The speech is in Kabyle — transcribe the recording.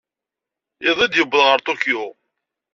Iḍelli ay d-yuweḍ ɣer Tokyo.